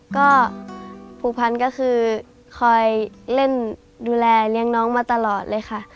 ก็ผูกพันก็คือคอยเล่นดูแลเลี้ยงน้องมาตลอดเลยค่ะ